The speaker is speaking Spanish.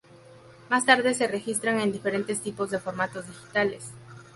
Más tarde, se registran en diferentes tipos de formatos digitales.